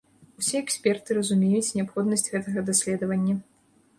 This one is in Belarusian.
Усе эксперты разумеюць неабходнасць гэтага даследавання.